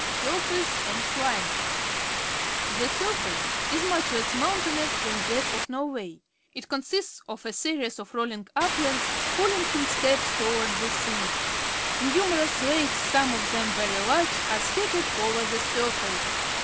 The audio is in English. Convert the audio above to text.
Surface and Climate.— The surface is much less mountainous than that of Norway. It consists of a series of rolling uplands, falling in steps toward the sea. Numerous lakes, some of them very large, are scattered over the surface.